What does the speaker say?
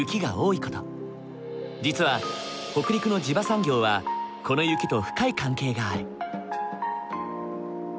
実は北陸の地場産業はこの雪と深い関係がある。